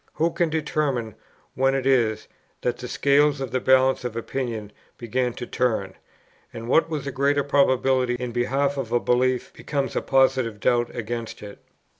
Who can determine when it is, that the scales in the balance of opinion begin to turn, and what was a greater probability in behalf of a belief becomes a positive doubt against it?